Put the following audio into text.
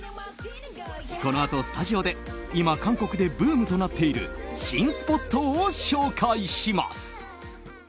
このあと、スタジオで今、韓国でブームとなっている新スポットを紹介します。